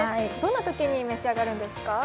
どんなときに召し上がるんですか？